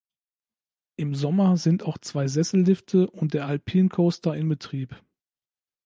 Im Sommer sind auch zwei Sessellifte und der Alpine-Coaster in Betrieb.